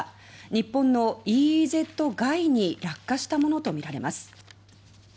日本のＥＥＺ外に落下したものとみられます。